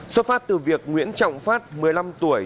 xuất phát từ việc nguyễn trọng phát một mươi năm tuổi